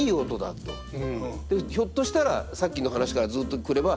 ひょっとしたらさっきの話からずっと来れば